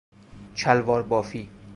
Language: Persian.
چلوار بافی